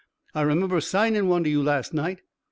I remember 'signin' one to you last night.'